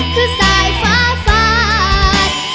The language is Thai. คือสวายฝาฟาธ